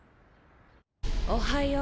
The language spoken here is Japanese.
おはよう。